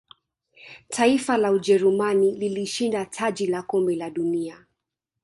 taifa la ujerumani lilishinda taji la kombe la dunia